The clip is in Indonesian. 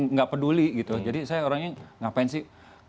nggak peduli gitu jadi saya orangnya ngapain sih